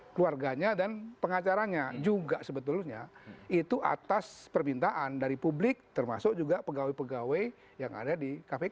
keluarganya dan pengacaranya juga sebetulnya itu atas permintaan dari publik termasuk juga pegawai pegawai yang ada di kpk